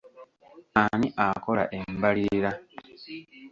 Ani akola embalirira?